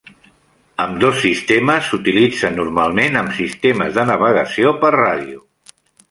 Ambdós sistemes s'utilitzen normalment amb sistemes de navegació per ràdio.